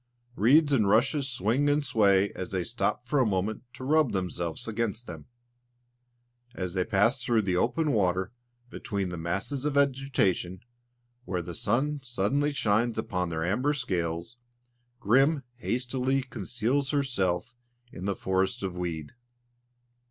Reeds and rushes swing and sway as they stop for a moment to rub themselves against them. As they pass through the open water, between the masses of vegetation, where the sun suddenly shines upon their amber scales, Grim hastily conceals herself in the forest of weed.